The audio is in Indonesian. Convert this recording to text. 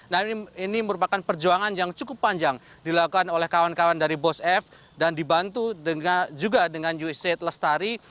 nah ini merupakan perjuangan yang cukup panjang dilakukan oleh kawan kawan dari bos f dan dibantu juga dengan ustad lestari